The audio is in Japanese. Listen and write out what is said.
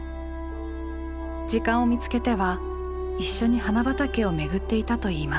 時間を見つけては一緒に花畑をめぐっていたといいます。